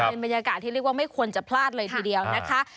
เป็นบรรยากาศที่เรียกว่าไม่ควรจะพลาดเลยทีเดียวนะคะ